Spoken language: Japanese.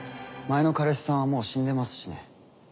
前の彼氏さんはもう死んでますしね。